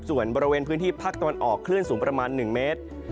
ส่วนบริเวณพื้นที่ภาคตะวันออกคลื่นสูงประมาณ๑เมตร